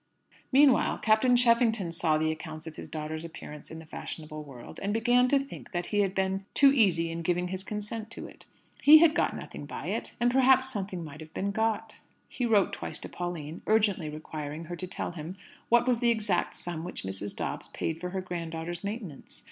Meanwhile, Captain Cheffington saw the accounts of his daughter's appearance in the fashionable world, and began to think that he had been too easy in giving his consent to it. He had got nothing by it; and perhaps something might have been got. He wrote twice to Pauline, urgently requiring her to tell him what was the exact sum which Mrs. Dobbs paid for her grand daughter's maintenance.